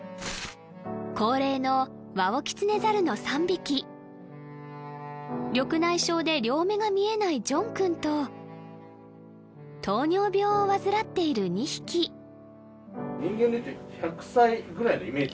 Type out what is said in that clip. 高齢のワオキツネザルの３匹緑内障で両目が見えないジョン君と糖尿病を患っている２匹人間でいうと１００歳ぐらいのイメージ？